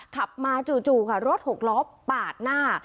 ขับมาจู่ค่ะรถหกล้อปาดหน้า